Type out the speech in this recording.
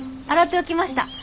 洗っておきました。